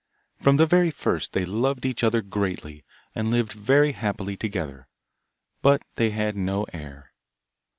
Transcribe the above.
From the very first they loved each other greatly, and lived very happily together, but they had no heir.